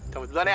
kamu duluan ya